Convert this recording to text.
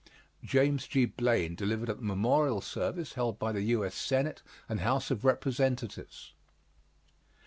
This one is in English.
JAMES G. BLAINE, delivered at the memorial service held by the U.S. Senate and House of Representatives.